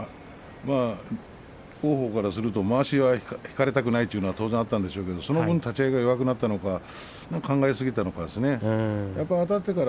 王鵬からするとまわしを引かれたくないという気持ちがあったんでしょうけどちょっと立ち合いが弱くなっていく考えすぎましたかね。